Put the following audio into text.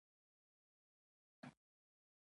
د افغانستان شیرپیره خوندوره ده